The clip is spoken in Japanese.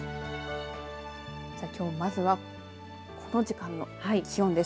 きょう、まずはこの時間の気温です。